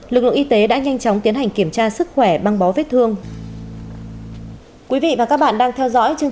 lực lượng y tế đã nhanh chóng tiến hành kiểm tra sức khỏe băng bó vết thương